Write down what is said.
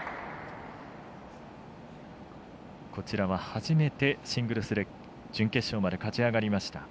こちらは初めてシングルスで準決勝まで勝ち進みました。